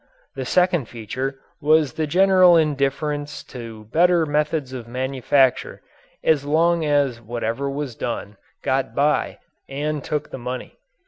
The second feature was the general indifference to better methods of manufacture as long as whatever was done got by and took the money.